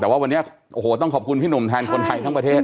แต่ว่าวันนี้โอ้โหต้องขอบคุณพี่หนุ่มแทนคนไทยทั้งประเทศ